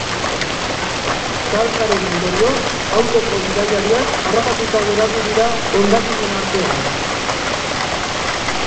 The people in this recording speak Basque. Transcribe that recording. Talkaren ondorioz, autoko bidaiariak harrapatuta geratu dira hondakinen artean.